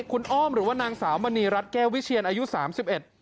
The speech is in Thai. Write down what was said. คุณอ้อมหรือว่านางสาวมณีรัฐแก้ววิเชียนอายุสามสิบเอ็ด